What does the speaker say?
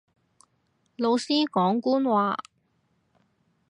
老師講官話